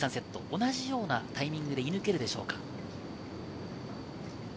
同じようなタイミングで射抜けるでしょうか。